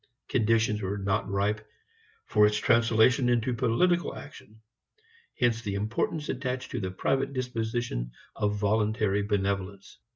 Conditions were not ripe for its translation into political action. Hence the importance attached to the private disposition of voluntary benevolence.